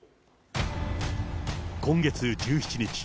今月１７日。